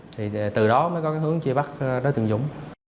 thì từ đó mới có cái hướng truy bắt đối tượng dũng